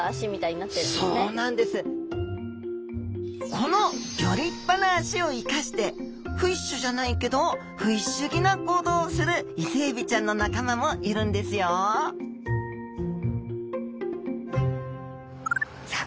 このギョ立派な脚を生かしてフィッシュじゃないけど不思議な行動をするイセエビちゃんの仲間もいるんですよさあ